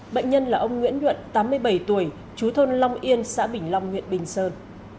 bệnh nhân là ông nguyễn luận tám mươi bảy tuổi chú thôn long yên xã bình long huyện bình sơn